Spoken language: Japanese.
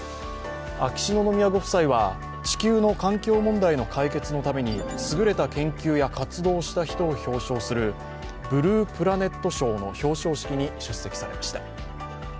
秋篠宮ご夫妻は地球の環境問題の解決のために優れた研究や活動をした人を表彰するブループラネット賞の表彰式に出席されました。